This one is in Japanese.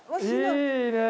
いいねえ。